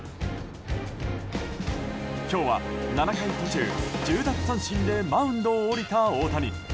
今日は７回途中、１０奪三振でマウンドを降りた大谷。